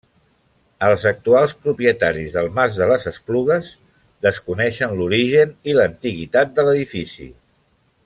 Els actuals propietaris del mas de les Esplugues desconeixen l'origen i l'antiguitat de l'edifici.